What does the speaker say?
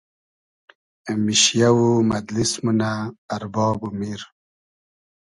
میشیۂ و مئدلیس مونۂ ارباب و میر